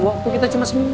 waktu kita cuma seminggu